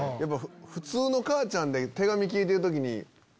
普通の母ちゃん手紙聞いてる時に。